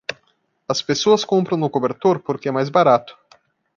As pessoas compram no cobertor porque é mais barato.